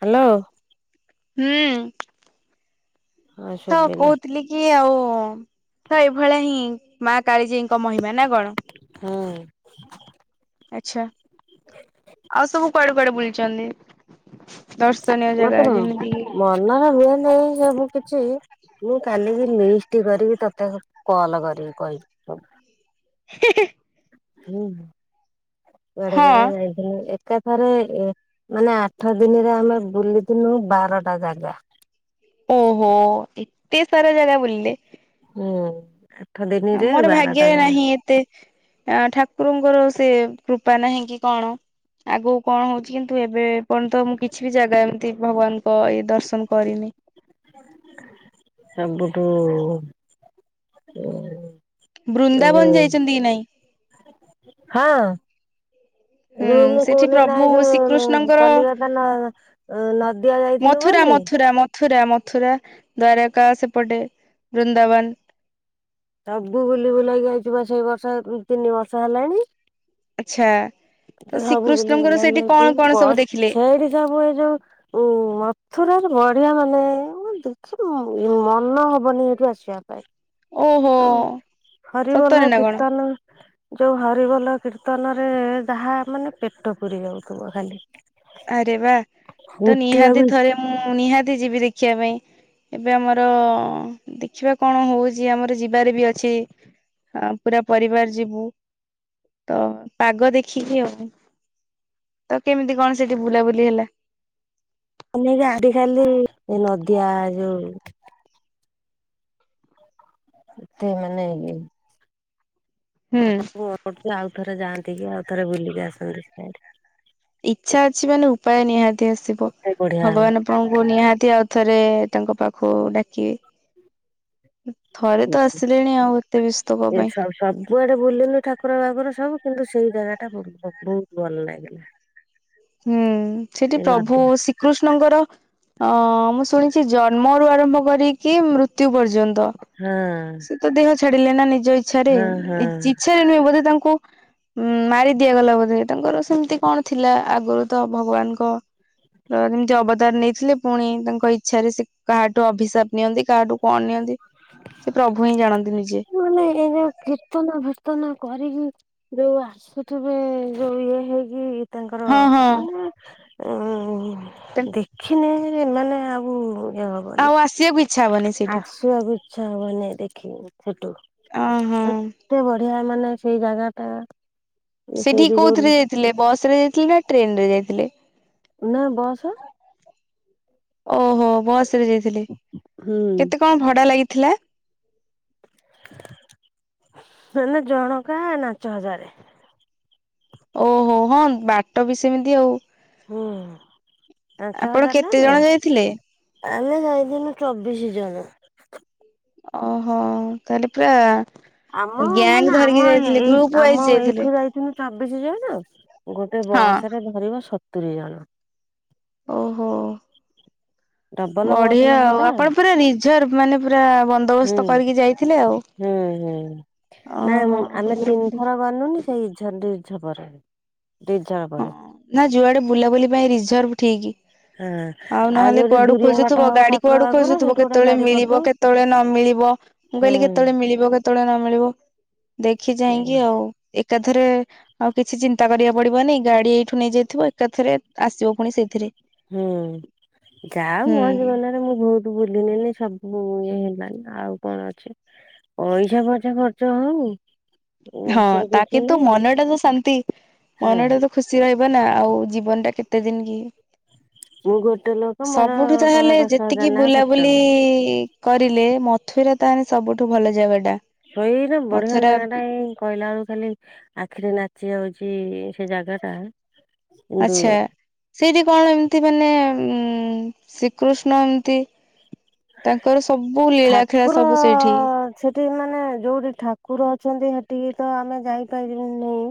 Hello. ହୁଁ। ହଁ ତ ଶୁଭିଲା କହୁଥିଲି। କିଏ ଆଉ ତ ଏଭଳିଆ ହିଁ ମା କାଳିଜିଇଙ୍କ ମହିମା ନା କଣ? ହୁଁ। ଆଛା ଆଉ ସବୁ କୁଆଡେ କୁଆଡେ ବୁଲିଛନ୍ତି? ଦର୍ଶନୀୟ ଜାଗା ମତେନା ଯେମିତି କି ମନରେ ହୁଏନାହିଁ ସବୁ କିଛି। ମୁଁ କାଲିିକି ଲିଷ୍ଟ କରିକି ତୋତେ କଲ୍ କରିବି କହିବି। ହେ ହେ ହେ। ମୁଁ କୁଆଡେ ହଁ କୁଆଡେ ଯାଇ ମୁଁ ଏକାଥରେ ମାନେ ଆଠ ଦିନରେ ଆମେ ବୁଲିଥିଲୁ ବାରଟା ଜାଗା। ଓହୋ ଏତେ ସାରା ଜାଗା ବୁଲିଲେ। ହୁଁ ଆଠ ଦିନିରେ ମୋର ବାରଟା ଭାଗ୍ୟରେ ଜାଗା। ନାହିଁ ଏତେ ଠାକୁରଙ୍କର ସେ କୃପା ନାହିଁ କି କଣ? ଆଗକୁ କଣ ହଉଛି କିନ୍ତୁ ଏବେ ପର୍ଯ୍ୟନ୍ତ ମୁଁ କିଛି ବି ଜାଗା ଏମିତି ଭଗବାନଙ୍କ ଏଇ ଦର୍ଶନ କରିନି। ଆବୁଠୁ ହୁଁ। ବୃନ୍ଦାବନ ଯାଇଛନ୍ତି କି ନାଇଁ? ହଁ। ହୁଁଁ ଯଉ ମୁଁ କହୁନି ନା ଏଇ ଯୋଉ କଲିକତା ନ ନଦ୍ ମଥୁରା ମଥୁରା ମଥୁରା ମଥୁରା ଦ୍ଵାରକାା ସେପଟେ ବୃନ୍ଦାବନ। ସବୁ ବୁଲି ବୁଲାଇ ଆଇଛୁ ପା ସେଇ ବର୍ଷ ତିନି ବର୍ଷ ହେଲାଣି। ଆଚ୍ଛା ତ ଏ ସବୁ ବୁଲି ଶ୍ରୀକୃଷ୍ଣଙ୍କର ବୁଲାଇ ସେଠି କଣ ଅଇଛୁ କଣ ସବୁ ବସ୍ ଦେଖିଲେ? ସେଇଟି ସବୁ ଏ ଯୋଉ ଉ ମଥୁରାକୁ ବଢିଆ ମାନେ ଦେଖି ମନ ହବନି ଏଇଠୁ ଆସିବା ପାଇଁ। ଓହୋ ସତରେ ହରିିବୋଲ ନା କଣ କୀର୍ତ୍ତନ ଯୋଉ ହରିବଲ କୀର୍ତ୍ତନ ରେ ଯାହା ମାନେ ପେଟ ପୁରି ଯାଉଥିବ ଖାଲି। ଆରେ ବା ତ ନିହାତି ଉଠିବାକୁ ଇଚ୍ଛା ଥରେ ମୁଁ ନିହାତି ଯିବି ଦେଖିବା ପାଇଁ। ଏବେ ଆମର ଦେଖିବା କଣ ହଉଛି ଆମର ଯିବାରେ ବି ଅଛି। ଆ ପୁରା ପରିବାର ଯିବୁ ତ ପାଗ ଦେଖିକି ଆଉ। ତ କେମିତି କଣ ସେଠି ବୁଲାବୁଲି ହେଲା? ଅନକ ଆଡେ ଖାଲି ଏ ନଦିଆ ଯୋଉ ମତେ ମନେ ହୁଁ। [unintelligible] ଏପଟେ ଆଉ ଥରେ ଯାଆନ୍ତି କି ଆଉ ଥରେ ବୁଲିକି ଆସନ୍ତି ସିଆଡେ। ଇଚ୍ଛା ଅଛି ମାନେ ଉପାୟ ନିହାତି ଆସିବ କେତେ ଭଗବାନ ବଢିଆ ଆପଣଙ୍କୁ ନିହାତି ଆଉ ଥରେ ତାଙ୍କ ପାଖକୁ ଡାକିବେ। ଥରେ ତ ଆସିଲେଣି ଆଉ ଏତେ ବ୍ୟାସ୍ତ କଣ ପାଇଁ? କୁଆଡେ ବୁଲିଲୁ ଠାକୁର ବାକୁର ସବୁ କିନ୍ତୁ ସେଇ ଜାଗାଟା ବହୁତ ବହୁତ୍ ଭଲ ଲାଗିଲା। ହୁଁ ସେଠି ସେଇ ପ୍ରଭୁ ନଦୀ ଶ୍ରୀକୃଷ୍ଣଙ୍କର ଅ ମୁଁ ଶୁଣି ସେ ଜନ୍ମରୁ ଆରମ୍ଭ କରିକି ମୃତ୍ୟୁ ପର୍ଯ୍ୟନ୍ତ। ହଁ। ସେ ତ ଦେହ ଛାଡିଲେ ନା ନିଜ ଇଛାରେ ହଁ ହଁ। ଇଛାରେ ନୁହେଁ ବୋଧେ ତାଙ୍କୁ ଉଁ ମାରି ଦିଆଗଲା ବୋଧେ ତାଙ୍କର ସେମିତି କଣ ଥିଲା ଆଗରୁ ତ ଭଗବାନଙ୍କ ତ ଯେମିତି ଅବଦାର ନେଇଥିଲେ ପୁଣି ତାଙ୍କ ଇଚ୍ଛାରେ ସେ କାହାଠୁ ଅଭିଶାପ ନିଅନ୍ତି କାହାଠୁ କଣ ନିିଅନ୍ତି? ହ ସେ ପ୍ରଭୁ ହିଁ ଜାଣନ୍ତି ନିଜେ। ମାନେ ଏଇ ଯୋଉ କୀର୍ତ୍ତନ ଫୀର୍ତ୍ତନ କରିକି ଯୋଉ ଆସୁଥିବେ ଯୋଉ ଇଏ ହେଇକି ତାଙ୍କର ହଁ ହଁ ମାନେ ଉଁ ଦେଖିନେ [unintelligible] ଏମାନେ ଆଉ ଇଏ ହ ଆଉ ଆସିଆକୁ ଇଚ୍ଛା ହବନି ସେଇଠୁ। ଆସିଆକୁ ଇଚ୍ଛା ହବନାଇଁ ଦେଖିଆକୁ ସେଠୁ। ଅ ହଁ। ଏତେ ବଢିଆ ମାନେ ସେଇ ଜାଗା ଟା ସେଠିକି ସେଇଠି ଯୋଉ କୋଉଥିରେ ଯାଇଥିଲେ ବସ ରେ ଯାଇଥିଲେ ନା ଟ୍ରେନରେ ଯାଇଥିଲେ? ନା ବସ? ଓହୋ ବସରେ ଯାଇଥିଲେ ହୁଁ କେତେ କଣ ଭଡ଼ା ଲାଗିଥିଲା ମାନେ ଜଣକା ନାଞ୍ଚ ହଜାରେ ଓହୋ ହଁ ବାଟ ବି ସେମିତି ଆଉ। ହୁଁ। ପାଞ୍ଚ ଆପଣ ହଜାର କେତେ ନେବେ ଜଣ ଯାଇଥିଲେ? ଆମେ ଯାଇଥିଲୁ ଚବିଶି ଜଣ। ଓହୋ ତାହେଲେ ପୁରା ଆମ ଗ୍ୟାଙ୍ଗ ମାନେ ଧରିକି ଆମ ଯାଇଥିଲେ ଏଇ ଗ୍ରୁପ ୱାଇଜ ଆମ ଯାଇଥିଲେ ଏଇଠୁ ଯାଇ ଥିଲୁ ଚବିଶ ଜଣ ଗୋଟେ ହଁ ବସରେ ଧରିବ ସତୁରୀ ଜଣ। ଓହୋ। ଡବଲ ବସ୍ ବଢିଆ ନା ଆଉ ସେଟା ହୁଁ। ଆପଣ ପୁରା ରିଜର୍ଭ ମାନେ ପୁରା ବନ୍ଦୋବସ୍ତ କରିକି ଯାଇଥିଲେ ଆଉ। ହୁଁ ହୁଁ ନାଇଁ ଓହୋ ଆମେ ବୁଲାବୁଲି ତିନିଥର ଗଲୁନି ରିଝ୍ ରିଝର୍ବରେ ହଁ ରିଝର୍ବରେ। ନା ଯୁଆଡେ ବୁଲା ବୁଲି ପାଇଁ ରିଜର୍ଭ ଠିକି। ହଁ ଆଉ ନହେଲେ ଯୋଉଠି କୁଆଡୁ ଦୁରିଆ ବାଟ ଖୋଜୁଥିବ ହବ ଗାଡି ଠାକୁର କୁଆଡୁ ବାକୁର ଖୋଜୁଥିବ, ସେଠୁ ଗୋଟେ କେତେବେଳେ ଗାଡି ମିଳିବ କରିଦଉ କେ ତେବେଳେ ନ ମିଳିବ ମୁଁ କହିଲି ହୁଁ। କେତେବେଳେ ମିଳିବ, କେତେବେଳେ ନ ମିଳିବ ଦେଖି ଚାହିଁକି ଆଉ ଏକାଥରେ ଆଉ କିଛି ଚିନ୍ତା କରିବାକୁ ପଡିବନି। ଗାଡି ଏଇଠୁ ନେଇଯାଇଥିବ ଏକାଥରେ ଆସିବ ପୁଣି ସେଇଥିରେ। ହୁଁ ଗାଁ ହୁଁ। ଗହଳି ଜୀବନରେ ମୁଁ ବହୁତ ବୁଲିଲିନି ସବୁ ଇଏ ହେଲାନି ଆଉ କଣ ଅଛି। ପଇସା ପଛେ ଖର୍ଚ୍ଚ ହଉ ହଁ ସେଥିରେ ତା କିଛି କିନ୍ତୁ ନାହିଁ ମନଟା ତ ଶାନ୍ତି ହଁ ମନଟା ତ ଖୁସି ରହିବ ନା ଆଉ ଜୀବନ ଟା କେତେ ଦିନ କି? ମୁଁ ଗୋଟେ ଲୋକ ମୋର ସବୁଠୁ ଟଙ୍କା ତାହେଲେ ଦଶ ହଜାର ଯେତିକି ଲେଖା ଖର୍ଚ୍ଚ ବୁଲାବୁଲି ହୁଏ। କରିଲେ, ମଥୁରା ତାହେଲେ ସବୁଠୁ ଭଲ ଜାଗା ଟା! ସେଇଟା ବଢିଆ ମଥୁରା ଜାଗାଟା ଏଇ କହିଲା ବେଳକୁ ଖାଲି ଆଖିରେ ନାଚି ଯାଉଛି ସେ ଜାଗା ଟା କିନ୍ତୁ ଆଚ୍ଛା। ସେଇଠି କଣ ଏମିତି ମାନେ ଉଁ ଶ୍ରୀକୃଷ୍ଣ ଏମିତି ତାଙ୍କର ସବୁ ଲୀଳାଖେଳା ସବୁ ସେଇଠି ସେଠିକି ମାନେ ଯୋଉଠି ଠାକୁର ଅଛନ୍ତି, ହେଠିକି ତ ଆମେ ଯାଇପାଇଲୁ ନାଇଁ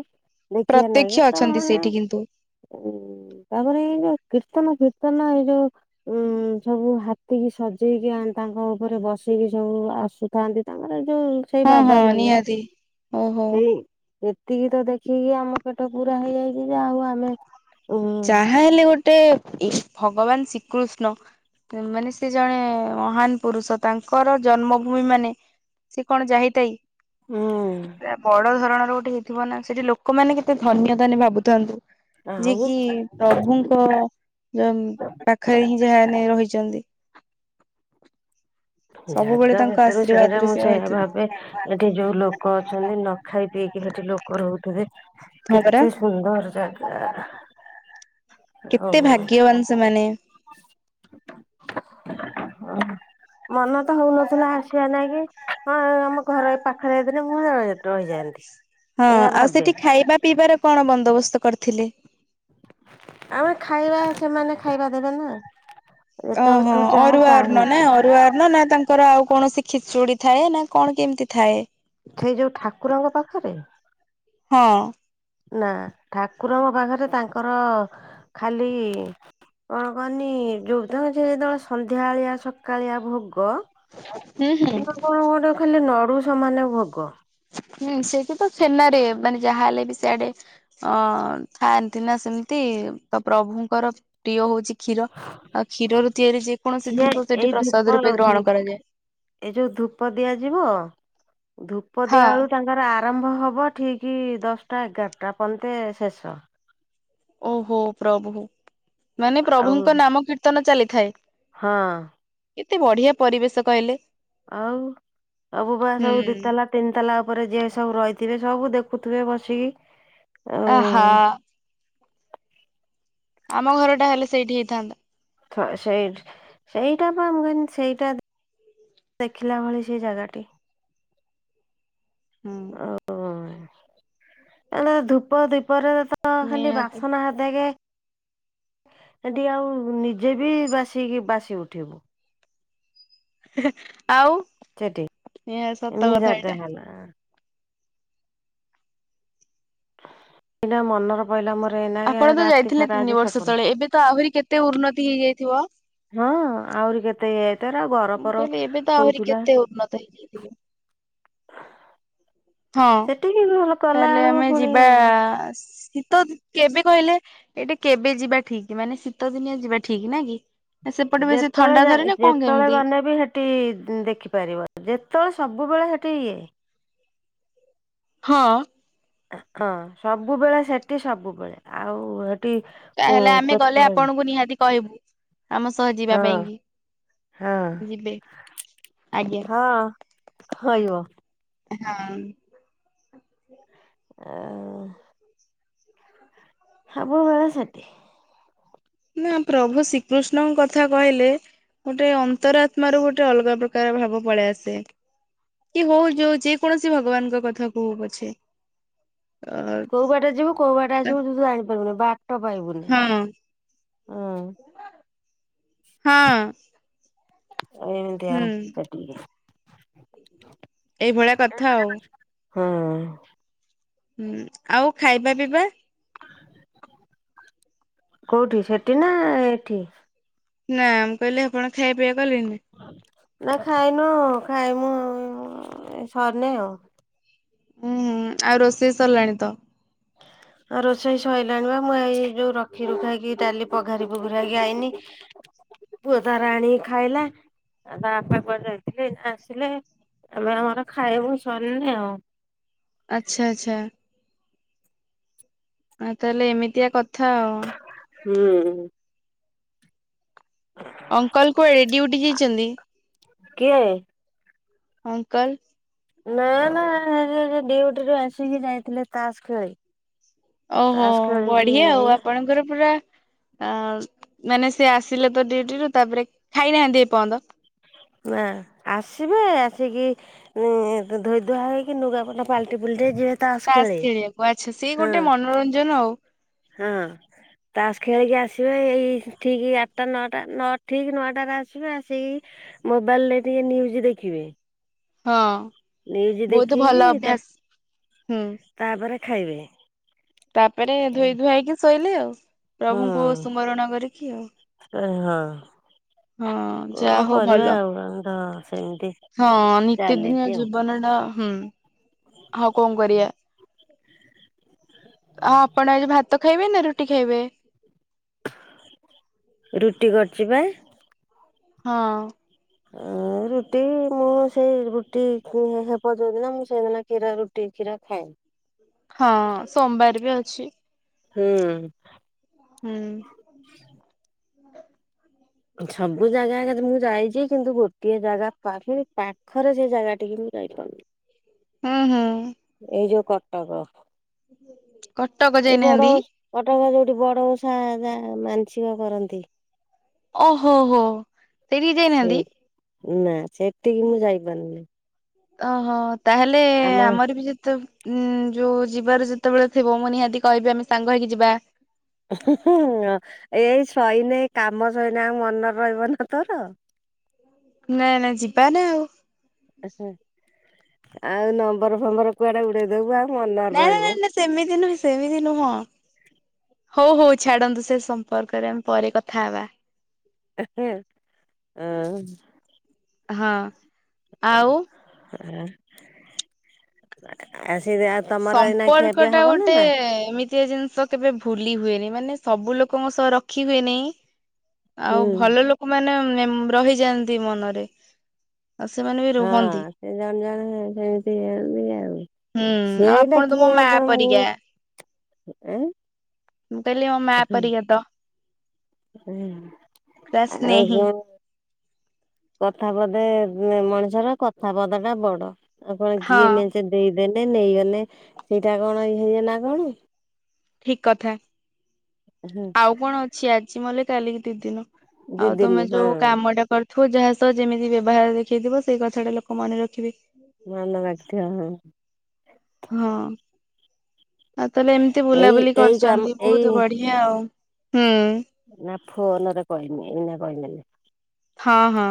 ଦେଖିବା ନାଗି ପ୍ରତ୍ୟକ୍ଷ ତ ଅଛନ୍ତି ମାନେ ସେଇଠି କିନ୍ତୁ ଉଁ ତାପରେ ଏଇ ଯୋଉ କୀର୍ତ୍ତନ ଫୀର୍ତ୍ତନ, ଏଇ ଯୋଉ ଉଁ ସବୁ ହାତୀ କିି ସଜ ସଜେଇକି ଆଣ ତାଙ୍କ ଉପରେ ବସିକି ସବୁ ଆସୁଥାନ୍ତି ତାଙ୍କର ଯୋଉ ସେଇ ହଁ ବାବା ହଁ ମାନେ ନିହାତି ଓହୋ ହୁଁ ଏତିକି ତ ଦେଖିକି ଆମ ପେଟ ପୁରା ହେଇଯାଇଛି ଯେ ଆଉ ଆମେ ଉଁ ତା ହେଲେ ଗୋଟେ ଇସ୍ ଭଗବାନ ଶ୍ରୀକୃଷ୍ଣ ମାନେ ସେ ଜଣେ ମହାନ ପୁରୁଷ ତାଙ୍କର ଜନ୍ମଭୂମି ମାନେ ସେ କଣ ହୁଁ ଯାହୀଥାଇ ବଡ ଧରଣର ଗୋଟେ ହେଇ ଥିବ ନା, ସେଠି ଲୋକମାନେ କେତେ ଧନ୍ୟ ତାହେନେ ଭାବୁଥାନ୍ତୁ। ଆଉ କି ପ୍ରଭୁଙ୍କ ଯ ପାଖରେ ହିଁ ଯାହାନେ ରହିଛନ୍ତି। ସବୁବେଳେ ଜାଗା ତାଙ୍କ ଭିତରୁ ସେଇଟା ଆଶୀର୍ବାଦରେ ମୁଁ ସେ ସେଇଆ ରହିଥିବେ ଭାବେ ଏଠି ଯୋଉ ଲୋକ ଅଛନ୍ତି ନ ଖାଇ ପିଇକି ହେଠି ଲୋକ ରହୁଥିବେ। ହଁ ପରା। କେତେ ସୁନ୍ଦର ଜାଗା। କେତେ ହଉ ଭାଗ୍ୟବାନ ସେମାନେ। ଅ ହ। ମନ ତ ହଉନଥିଲା ଆସିବା ନାଗି, ହଁ ଆମ ଘର ଏଇ ପାଖରେ ହେଇ ଥିନେ ମୁଁ ରହିଯାଆନ୍ତି। ହଁ ଏଇଆ ଆଉ ଭାବେ ସେଠି ଖାଇବା ପିଇବାରେ କଣ ବନ୍ଦୋବସ୍ତ କରିଥିଲେ? ଆମେ ଖାଇବା ସେମାନେ ଖାଇବା ଦେବେ ନା। ଯେତେବେଳେ ଓହୋ ତୁ ଯାହା ଅରୁଆ ଚାହିଁବୁ ଅନ୍ନ ନା ଅରୁଆ ଅନ୍ନ ନା ତାଙ୍କ ଙ୍କର ଆଉ କୌଣସି ଖିଚୁଡି ଥାଏ, ନା କଣ କେମିତି ଥାଏ। ସେଇ ଯୋଉ ଠାକୁରଙ୍କ ପାଖରେ। ହଁ। ନା ଠାକୁରଙ୍କ ପାଖରେ ତାଙ୍କର ଖାଲି କଣ କହନି ଯୋଉ ତାଙ୍କ ଯେତେବେଳେ ସନ୍ଧ୍ୟାବେଳିଆ ସକାଳିଆ ଭୋଗ ହୁଁ ହୁଁ। ମାନେ କଣ ଗୋଟେ ଖାଲି ନଡୁ ସମାନ ଭୋଗ। ହୁଁ ସେଇଠୀ ତ ଛେନାରେ ମାନେ ଯାହାହେଲେ ବି ସିଆଡେ ଅଁ ଥାାଆନ୍ତି ନା ସେମିତି ତ ପ୍ରଭୁଙ୍କର ପ୍ରିୟ ହଉଛି କ୍ଷୀର, ଆଉ କ୍ଷୀର ତିଆରି ଯେକୌଣସି ସିଏ ସେଠି ପ୍ରସାଦ ରୂପେ ଗ୍ରହଣ କରାଯାଏ। ଏ ଯୋଉ ଧୂପ ଦିଆଯିବ ଧୂପ ହଁ ଦିଆ ବେଳୁ ତାଙ୍କର ଆ ଆରମ୍ଭ ହବ ଠିକ୍ ଦଶଟା ଏଗାରଟା ପନ୍ତେ ଶେଷ। ଓହୋ ପ୍ରଭୁ ମାନେ ଆଉ ପ୍ରଭୁଙ୍କ ନାମ କୀର୍ତ୍ତନ ଚାଲିଥାଏ। ହଁ। କେତେ ବଢିଆ ପରିବେଶ କହିଲେ। ଆଉ ସବୁ ବା ହୁଁ ସବୁ ଦିିତଲା ତିନିତାଲା ଉପରେ ଯିଏ ସବୁ ରହିଥିବେ ସବୁ ଦେଖୁଥିବେ ବସିକି। ଆଉ ଆହା। ଆମ ଘରଟା ହେଲେ ସେଇଠି ହେଇଥାନ୍ତା। ସେଇ ସେଇଟା ପା ଆମ ସେଇଟା ଦେଖିଲା ଭଳି ସେଇ ଜାଗାଟି। ହୁଁ। ଓ ହୋ ଧୂପ ଦୀପରେ ତ ତ ଖାଲି ନିହାତି ବାସନା ହେତେକେ ସେଠି ଆଉ ନିଜେ ବି ବାସି ବାସି ଉଠିବୁ। ଆଉ ନିହାତି ସତ କଥା ଏଇଟା। ନା। ଏଇଟା ମନର ପଇଲା ମୋର ଏଇନା। କେ ଆପଣ ତ ରାତି ଯାଇଥିଲେ ସାରା ଆଜି ତିନି ବର୍ଷ ସପନ ତଳେ, ଏବେ ତ ଆହୁରି କେତେ ଉନ୍ନତି ହେଇଯାଇଥିବ। ହଁ ଆହୁରି କେତେ ହେଇ ଏତେ ଲରା ମୁଁ ଘରଫର କହିଲି ଏବେ ତ ଆହୁରି ହଉଥିଲା। କେତେ ଉନ୍ନତ ହେଇଯାଇଥିବ ହଁ ସେଠିକି ଭଲ କଲା ତାହେଲେ ବେଳକୁ ଆମେ ପୁଣି ଯିବା ଶୀତ କେବେ କହିଲେ ଏଇଟା କେବେ ଯିବା ଠିକ ମାନେ ଶୀତ ଦିନିଆ ଯିବା ଠିକ ନାଆଁକି। ସେପଟେ ବେଶୀ ଥଣ୍ଡା ଧରେ ନା କଣ କେମିତି? ଟି ଦେଖିପାରିବ, ଯେତେବେଳେ ସବୁବେଳେ ହେଠି ଇଏ। ହଁ। ହଁ ସବୁବେଳେ ସେଠି ସବୁବେଳେ ଆଉ ହେଠି ତାହେଲେ ଆମେ ଗଲେ ଆପଣଙ୍କୁ ନିହାତି କହିବୁ ଆମ ସହ ଯିବା ହଁ ହଁ ପାଇଁକି। ଯିବେ ଆଜ୍ଞା। ହଁ ହଇବ ଏ ହଁ। ଆଉ ସବୁବେଳେ ସେଠି। ନା ପ୍ରଭୁ ଶ୍ରୀକୃଷ୍ଣଙ୍କ କଥା କହିଲେ ଗୋଟେ ଅନ୍ତରାତ୍ମରୁ ଗୋଟେ ଅଲଗା ପ୍ରକାର ଭାବ ପଳେଆସେ। କି ହୋଉ ଯୋଉ ଯେ କୌଣସି ଭଗବାନଙ୍କ କଥା କୋହୁ ପଛେ ଅ କୋଉ ବାଟେ ଯିବୁ କୋଉ ବାଟେ ଆସିବୁ ତୁୁ ଜାଣିପାରିବୁନି ବାଟ ପାଇବୁନି ହଁ ଅଁ। ହଁ। ଏମତିଆ ହୁଁ ସେଠି। ଏଇଭଳିଆ କଥା ଆଉ। ହଁ। ହୁଁ ଆଉ ଖାଇବା ପିଇବା? କୋଉଠି ସେଠି ନା ଏଠି? ନା ମୁଁ କହିଲେ ଆପଣ ଖାଇବା ପିଇବା କଲେଣିି ନା? ନା ଖାଇନୋଉ ଖାଇମୁ ଏ ସରିନେଇ ଆଉ। ଉଁହୁଁ ଆଉ ରୋଷେଇ ସରଲାଣି ତ। ହଁ ରୋଷେଇ ସଇଲାଣି ପା ମୁଁ ଏଇ ଯୋଉ ରଖି ରୁଖାକି ଡାଲି ପଘାରି ପୁଘୁରାକି ଆଇନି। ପୁତ ତାର ଆଣିକି ଖାଇଲା। ଆଉ ତା ବାପା କୁଆଡେ ଯାଇଥିଲି ଏଇନା ଆସିଲେ ଏବେ ଆମର ଖାଇବା ସରନି ଆଉ। ଆଚ୍ଛା ଆଚ୍ଛା। ଆଉ ତାହେଲେ ଏମିତିଆ କଥା ଆଉ। ହୁଁ। ଅଙ୍କଲ କୁଆଡେ ଡିଉଟୁ ଯାଇଚନ୍ତି? କିଏ? ଅଙ୍କଲ। ନା ନା ଏ ଡିଉଟିରୁୁ ଆସିକି ଯାଇଥିଲେ ତାସ ଖେଳି। ଓହୋ ତାସ ଖେଳିକି ବଢିଆ ଆଉ ଏଇ ଆପଣଙ୍କର ପୁରା ଆ ମାନେ ସିଏ ଆସିଲେ ତ ଡ୍ୟୁଟିରୁୁ ତାପରେ ଖାଇନାହାନ୍ତି ଏପର୍ଯ୍ୟନ୍ତ? ନା ଆସିବେ ଆସିକି ଉଁ ଧୋଇଧୁଆ ହେଇକି ନୁଗାପଟା ପଲଟି ପୁଲଟି ଯିବ ତାସ ଖେଳିବାକୁ ଆଚ୍ଛା ସେଇ ଗୋଟେ ମନୋରଞ୍ଜନ ଆଉ। ହଁ। ତାସ ଖେଳିକି ଆସିବେ ଏଇ ଠିକି ଆଟଟା ନଅଟା ନଅ ଠିକି ନଅଟାରେ ଆସିବେ ଆସିକି ମୋବାଇଲରେ ଟିକେ ନ୍ୟୁଜ ଦେଖିବେ। ହଁ ନ୍ୟୁଜ ବୋହୁତ ଦେଖିକି ଭଲ ତା ଅଭ୍ୟାସ ହୁଁ। ତାପରେ ଖାଇବେ। ତାପରେ ଧୋଇ ଧୁଆହେଇକି ଶୋଇଲେ ଆଉ। ହଁ ପ୍ରଭୁଙ୍କୁ ସୁମରଣ କରିକି ଆଉ ଏ ହଁ ହଁ। କଣ ଯାହା ହଉ ଭଲ। କରିବା ଆଉ ତ ସେମତି ହଁ ନିତିଦିନିଆ ଜୀବନଟା ହୁଁ ଆଉ କଣ କରିବା? ଆଉ ଆପଣ ଆଜି ଭାତ ଖାଇବେ ନା ରୁଟି ଖାଇବେ? ଆ ରୁଟି କରଚି ପା। ହଁ। ଅ ରୁଟି ମୁଁ ସେଇ ରୁଟି କୁ ହେବ ଯଉଦିିନ ମୁଁ ସେଇଦିନ କ୍ଷୀରା ରୁଟି କ୍ଷୀରା ଖାଏଁ। ହଁ ସୋମବାର ବି ଅଛି। ହୁଁ। ହୁଁ। ସବୁ ଜାଗା ଆଗା ମୁଁ ଯାଇଛି କିନ୍ତୁ ଗୋଟିଏ ଜାଗା ପାଖ ପାଖରେ ସେ ଜାଗା ଟିକି ମୁଁ ଯାଇପାରୁନି। ହୁଁ ହୁଁ। ଏଇ ଯୋଉ କଟଟକ କଟକ ଏଇ ବଡ ଯାଇନାହାନ୍ତି କଟକ ଯୋଉଠି ବଡ଼ ଓଷା ଯା ମାନସିକ କରନ୍ତି। ଓହୋ ହୋ। ସେଇଠିକି ଯାଇନାହାନ୍ତି ସେଇ ନା ସେଠିକି ମୁଁ ଯାଇପାରୁନି। ଓହୋ ତାହେଲେ ଆମ ଆମର ବି ଯେତେ ଉୁଁ ଯୋଉ ଯିବାର ଯେତେବେଳେ ଥିବ ମୁଁ ନିହାତି କହିବି ଆମେ ସାଙ୍ଗ ହେଇକି ଯିବା। ହଁ ଏଇ ସଇନେ କାମ ସଇନେ ଆଉ ମନରେ ରହିବ ନା ତୋର। ନା ନା ଯିବା ନା ଆଉ। ଆ ହ ଆଉ ନମ୍ବର ଫମ୍ବର କୁଆଡେ ଉଡେଇ ଦବୁ ଆଉ ମନରେ ନା ନା ନା ରହିବ। ନା ସେମିତି ନୁହେଁ ସେମିତି ନୁହଁ। ହଉ ହଉ ଛାଡନ୍ତୁ ସେ ସମ୍ପର୍କରେ ଆମେ ପରେ କଥା ହବା। ହଁ ହଁ ହଁ। ଆଉ [unintelligible] ଏଇନା ସମ୍ପର୍କ ଖିଆପିଆ ଟା ହବ ନା ଗୋଟେ ନା ଏମିତ୍ ଆ ଜିନିଷ କେବେ ଭୁଲି ହୁଏନି ମାନେ ସବୁ ଲୋକଙ୍କ ସହ ରଖି ହୁଏ ନି। ଆଉ ହୁଁ ଭଲ ଲୋକମାନେ ଏ ମ ରହିଯାଆନ୍ତି ମନରେ ଆଉ ସେମାନେ ବି ହଁ ରୁହନ୍ତି। ସେ ଜଣ ଜଣ ହେ ସେମିତି ହୁଁ ଆଉ ଆପଣ ତ ବି ମୋ ମା ପରିକା [unintelligible] ଆଉ। [unintelligible] ମୁଁ କହିଲି ମୋ ମା ପରିିକା ତ ହୁଁ ପୁରା ଆଉ ସ୍ନେହି। କଣ କଥା ପଦେ ମ୍ ମଣିଷର କଥା ପଦ ଟା ବଡ। ଆଉ କଣ ହଁ କିଏ ମେଞ୍ଚେ ଦେଇଦେନେ ନେଇଗଲେେ ସେଇଟା କଣ ହେଇଗ ନା କଣ। ଠିକ କଥା ହଁ ଆଉ କଣ ଅଛି ଆଜି ମଲେ କାଲିକି ଦି ଦିନ। ଆଉ ଦିଦିନି ତମେ ହଁ ଯୋଉ କାମ ଟା କର ଥିବ ଯାହା ସହ ଯେମିତି ବ୍ୟବହାର ଦେଖେଇଥିବ ସେଇ କଥାଟା ଲୋକ ମନେ ରଖିବେ। ମନେ ରକ୍ଥିବ ହଁ। ହଁ ଆଉ ତାହେଲେ ଏମିତି ଏଇ ବୁଲାବୁଲି ଏଇ କାମ କରୁଛନ୍ତି ଏଇ ବହୁତ ବଢି ଆ ଆଉ ହୁଁ। ନା ଫୋନ ରେ କହିମି ଏଇନା କହିମିନି। ହଁ ହଁ।